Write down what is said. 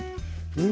うん。